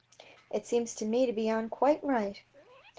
" It seems to me to be on quite right."